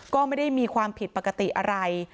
ก็ไม่ได้มีความผิดปกติอะไร